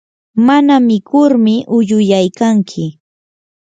mana mikurmi uyuyaykanki.